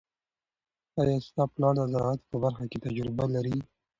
آیا ستا پلار د زراعت په برخه کې تجربه لري؟